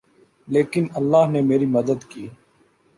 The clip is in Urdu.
لیکن اللہ نے میری مدد کی